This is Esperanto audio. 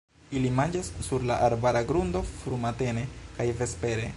Ili manĝas sur la arbara grundo frumatene kaj vespere.